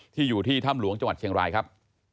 อยู่ที่ถ้ำหลวงจังหวัดเชียงรายครับ